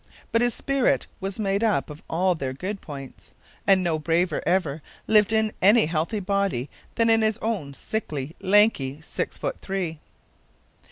But his spirit was made up of all their good points; and no braver ever lived in any healthy body than in his own sickly, lanky six foot three.